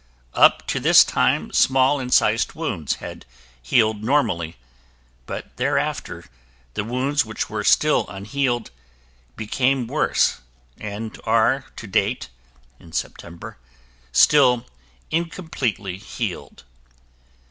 Up to this time small incised wounds had healed normally, but thereafter the wounds which were still unhealed became worse and are to date (in September) still incompletely healed.